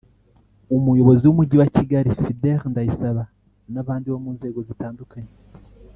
Umuyobozi w’Umujyi wa Kigali Fidèle Ndayisaba n’abandi bo mu nzego zitandukanye